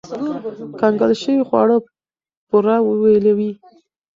کنګل شوي خواړه پوره ویلوئ.